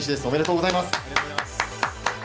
おめでとうございます。